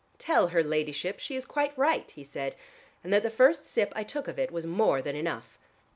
"Tell her ladyship she is quite right," he said, "and that the first sip I took of it was more than enough."